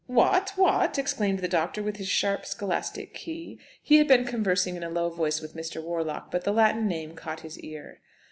"What, what?" exclaimed the doctor in his sharp, scholastic key. He had been conversing in a low voice with Mr. Warlock, but the Latin name caught his ear.